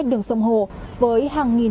đường sông hồ với hàng nghìn